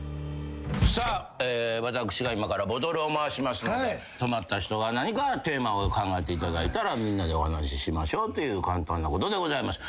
さあ私が今からボトルを回しますので止まった人は何かテーマを考えていただいたらみんなでお話ししましょうという簡単なことでございます。